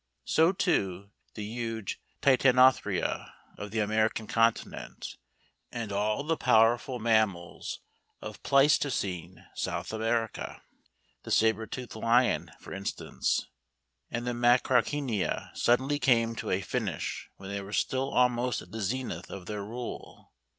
So, too, the huge Titanotheria of the American continent, and all the powerful mammals of Pleistocene South America, the sabre toothed lion, for instance, and the Machrauchenia suddenly came to a finish when they were still almost at the zenith of their rule.